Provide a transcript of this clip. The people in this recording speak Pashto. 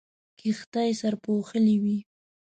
کښتۍ سرپوښلې وې.